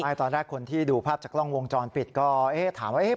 ใช่ตอนแรกคนที่ดูภาพจากกล้องวงจรปิดก็เอ๊ะถามว่า